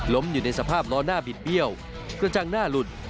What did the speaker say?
อยู่ในสภาพล้อหน้าบิดเบี้ยวกระจังหน้าหลุด